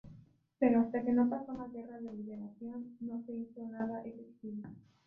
Pero hasta que no paso la Guerra de Liberación, no se hizo nada efectivo.